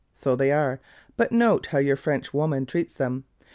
So they are, but note how your French woman treats them.